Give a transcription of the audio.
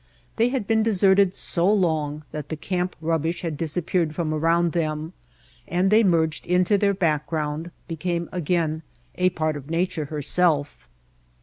They had been deserted so long that the camp rubbish had disappeared from around them and they merged into their back ground, become again a part of Nature herself.